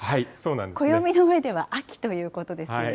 暦の上では秋ということですよね。